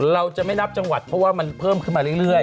เราจะไม่นับจังหวัดเพราะว่ามันเพิ่มขึ้นมาเรื่อย